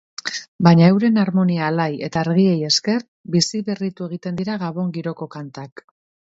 Baina euren armonia alai eta argiei esker bizi-berritu egiten dira gabon giroko kantak.